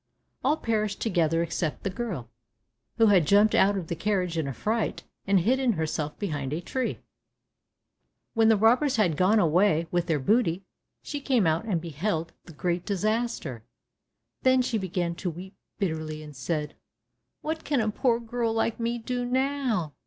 All perished together except the girl, who had jumped out of the carriage in a fright, and hidden herself behind a tree. When the robbers had gone away with their booty, she came out and beheld the great disaster. Then she began to weep bitterly, and said, "What can a poor girl like me do now?